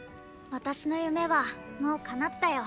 私の夢はもう叶ったよ。